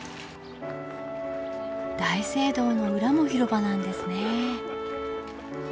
大聖堂の裏も広場なんですね。